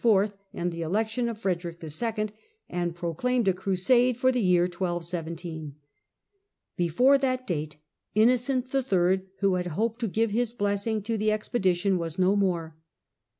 and the election of Frederick IL, and proclaimed a Crusade for the year 1217. Before that date, Innocent III., who had hoped to give his blessing to the expedition, was no more.